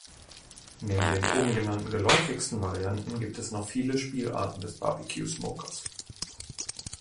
Neben den oben genannten geläufigsten Varianten gibt es noch viele Spielarten des Barbecue-Smokers.